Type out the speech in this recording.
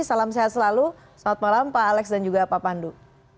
salam sehat selalu selamat malam pak alex dan juga pak pandu